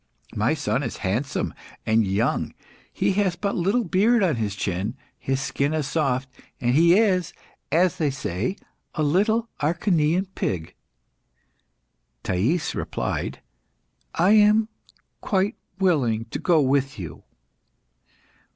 My son is handsome and young; he has but little beard on his chin; his skin is soft, and he is, as they say, a little Acharnian pig." Thais replied "I am quite willing to go with you."